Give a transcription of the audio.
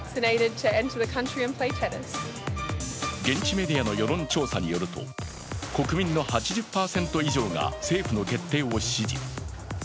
現地メディアの世論調査によると国民の８０％以上が政府の決定を支持。